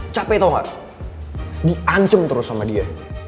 capek tau gak diancem terus sama dia